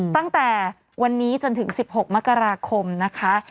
ตั้งแต่วันนี้จนถึง๑๖มกราคมนะคะ